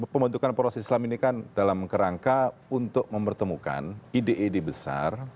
pembentukan poros islam ini kan dalam kerangka untuk mempertemukan ide ide besar